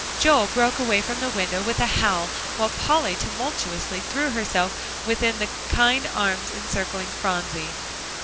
Joel broke away from the window with a howl, while Polly tumultuously threw herself within the kind arms encircling Phronsie.